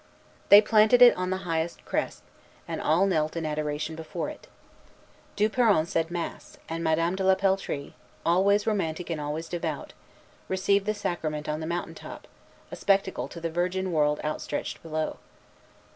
They planted it on the highest crest, and all knelt in adoration before it. Du Peron said mass; and Madame de la Peltrie, always romantic and always devout, received the sacrament on the mountain top, a spectacle to the virgin world outstretched below.